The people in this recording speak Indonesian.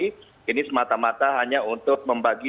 jadi ini semata mata hanya untuk membagi